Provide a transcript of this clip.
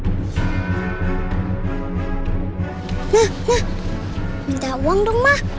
nah nah minta uang dong ma